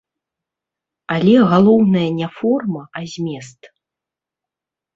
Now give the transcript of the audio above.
Але галоўнае не форма, а змест.